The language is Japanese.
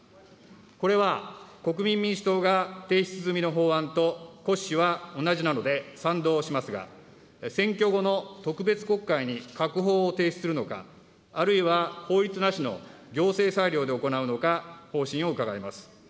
これは国民民主党が提出済みの法案と骨子は同じなので、賛同しますが、選挙後の特別国会に閣法を提出するのか、あるいは法律なしの行政裁量で行うのか、方針を伺います。